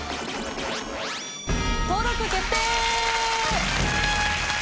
登録決定！